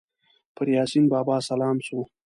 پر یاسین بابا سلام سو